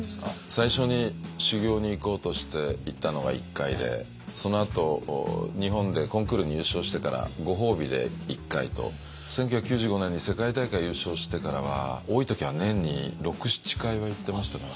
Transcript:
最初に修行に行こうとして行ったのが１回でそのあと日本でコンクールに優勝してからご褒美で１回と１９９５年に世界大会優勝してからは多い時は年に６７回は行ってましたね。